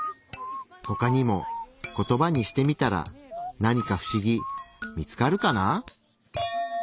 ほかにもコトバにしてみたら何か不思議見つかるかな？